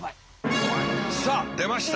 さあ出ました。